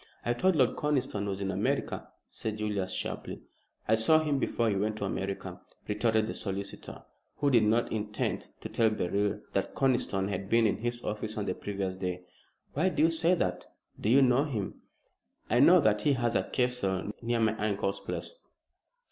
"I thought Lord Conniston was in America," said Julius, sharply. "I saw him before he went to America," retorted the solicitor, who did not intend to tell Beryl that Conniston had been in his office on the previous day. "Why do you say that? Do you know him?" "I know that he has a castle near my uncle's place."